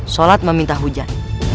sholat meminta hujan